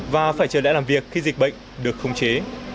và phải trở lại làm việc khi dịch bệnh được khống chế